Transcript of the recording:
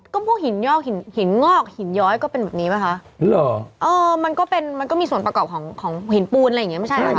ก็พวกหินยอกหินงอกหินย้อยก็เป็นแบบนี้มั้ยคะมันก็มีส่วนประกอบของหินปูนอะไรอย่างนี้ไม่ใช่มั้ยคะ